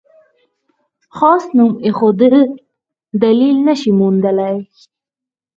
خاص نوم ایښودل دلیل نه شي موندلای.